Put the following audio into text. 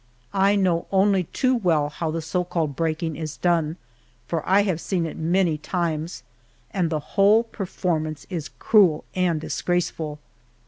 I know only too well how the so called breaking is done, for I have seen it many times, and the whole performance is cruel and disgraceful.